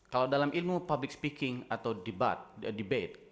kalau dalam ilmu public speaking atau debate